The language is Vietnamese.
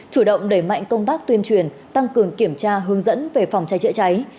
chủ động đẩy mạnh công tác tuyên truyền tăng cường kiểm tra hướng dẫn về phòng cháy chữa cháy